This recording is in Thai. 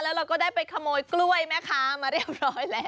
แล้วเราก็ได้ไปขโมยกล้วยแม่ค้ามาเรียบร้อยแล้ว